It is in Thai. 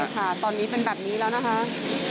ค่ะตอนนี้เป็นแบบนี้แล้วนะคะ